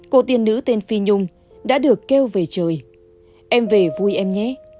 cô tiên nữ tên phi nhung đã được kêu về trời em về vui em nhé